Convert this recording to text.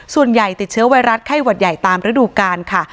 ส่วนใหญ่ติดเชื้อไวรัสไข้หวัดใหญ่ตามฤดูกาลค่ะ